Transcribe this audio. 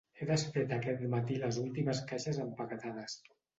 He desfet aquest matí les últimes caixes empaquetades.